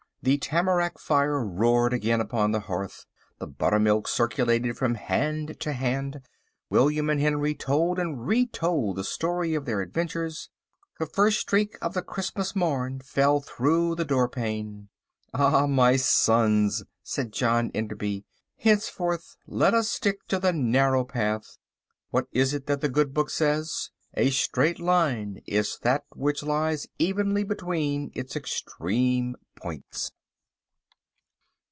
The tamarack fire roared again upon the hearth. The buttermilk circulated from hand to hand. William and Henry told and retold the story of their adventures. The first streak of the Christmas morn fell through the door pane. "Ah, my sons," said John Enderby, "henceforth let us stick to the narrow path. What is it that the Good Book says: 'A straight line is that which lies evenly between its extreme points.